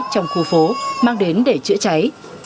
trong khu phố mang đến để chữa cháy